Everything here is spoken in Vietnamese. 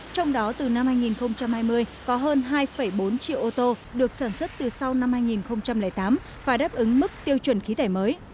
trong đó từ năm hai nghìn hai mươi có hơn hai bốn triệu ô tô được sản xuất từ sau năm hai nghìn tám và đáp ứng mức tiêu chuẩn khí thải mới